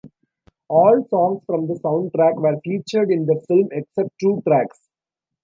All songs from the soundtrack were featured in the film except two tracks.